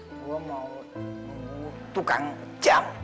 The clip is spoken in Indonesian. gue mau tukang jam